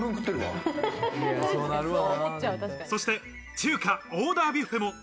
そして中華オーダーブッフェも。